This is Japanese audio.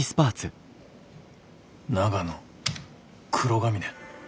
長野黒ヶ峰。